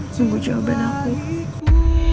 tunggu jawaban aku